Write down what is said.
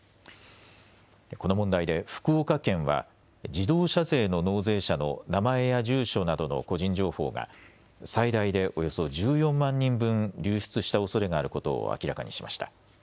この問題で福岡県は自動車税の納税者の名前や住所などの個人情報が最大でおよそ１４万人分、流出したおそれがあることを明らかにしました。